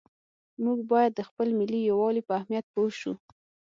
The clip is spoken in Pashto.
موږ باید د خپل ملي یووالي په اهمیت پوه شو.